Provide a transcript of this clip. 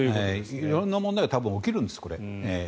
色んな問題が起きるんですよ。